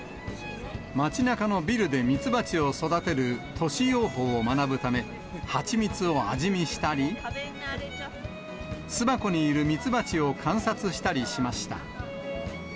街なかのビルでミツバチを育てる都市養蜂を学ぶため、蜂蜜を味見したり、巣箱にいるミツバチを観察したりしました。